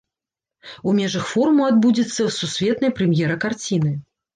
У межах форуму адбудзецца сусветная прэм'ера карціны.